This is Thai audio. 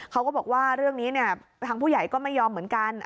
เขาก็บอกว่าเรื่องนี้เนี่ยทางผู้ใหญ่ก็ไม่ยอมเหมือนกัน